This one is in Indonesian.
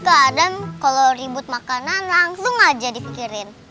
kak adam kalau ribut makanan langsung aja disikirin